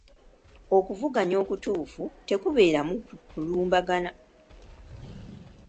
Okuvuganya okutuufu tekubeeramu kulumbagana.